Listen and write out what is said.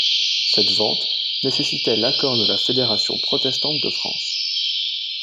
Cette vente nécessitait l'accord de la Fédération Protestante de France.